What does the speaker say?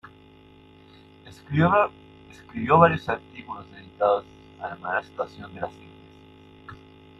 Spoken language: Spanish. Escribió varios artículos dedicados a la mala situación de las iglesias.